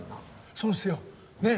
そうですよ。ねえ？